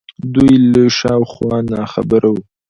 دوی له شا و خوا ناخبره وو